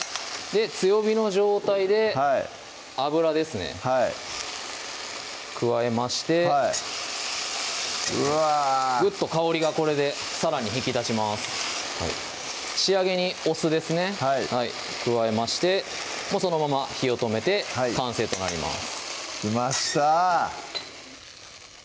強火の状態で油ですねはい加えましてはいうわグッと香りがこれでさらに引き立ちます仕上げにお酢ですね加えましてそのまま火を止めて完成となりますきました！